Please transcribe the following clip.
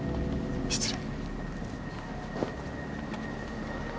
失礼。